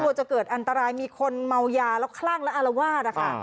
จะเกิดอันตรายมีคนเมายาแล้วคลั่งและอารวาสนะคะ